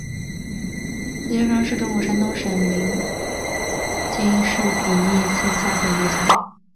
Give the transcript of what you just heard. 资邱乡是中国山东省临沂市平邑县下辖的一个乡。